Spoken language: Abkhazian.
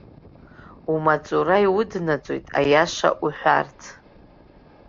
Умаҵура иуднаҵоит аиаша уҳәарц.